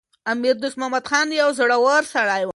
امیر دوست محمد خان یو زړور سړی و.